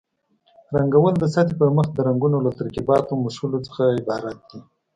رنګول د سطحې پر مخ د رنګونو له ترکیباتو مښلو څخه عبارت دي.